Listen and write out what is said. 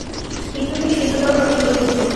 তীব্র থেকে তীব্রতর হচ্ছিল যুদ্ধ।